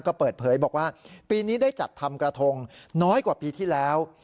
ก็เปิดเผยบอกว่าปีนี้ได้จัดทำกระทงน้อยกว่าปีที่แล้ว